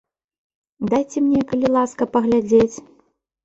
Дайце мне, калі ласка, паглядзець.